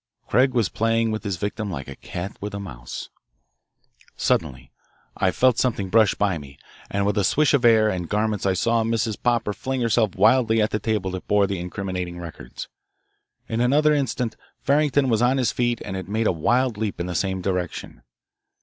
Craig was playing with his victim like a cat with a mouse. Suddenly I felt something brush by me, and with a swish of air and of garments I saw Mrs. Popper fling herself wildly at the table that bore the incriminating records. In another instant Farrington was on his feet and had made a wild leap in the same direction.